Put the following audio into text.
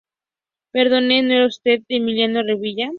Perdone, ¿no será usted Emiliano Revilla?